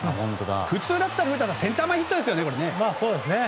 普通だったら古田さんセンター前ヒットですよね。